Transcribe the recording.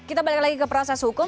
kita balik lagi ke proses hukum